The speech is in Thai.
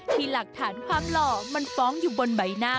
ที่หลักฐานความหล่อมันฟ้องอยู่บนใบหน้า